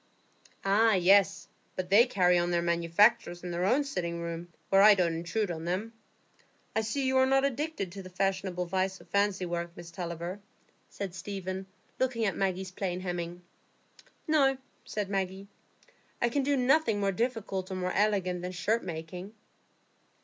"Ah yes; but they carry on their manufactures in their own sitting room, where I don't intrude on them. I see you are not addicted to the fashionable vice of fancy work, Miss Tulliver," said Stephen, looking at Maggie's plain hemming. "No," said Maggie, "I can do nothing more difficult or more elegant than shirt making."